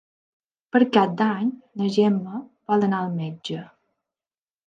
Per Cap d'Any na Gemma vol anar al metge.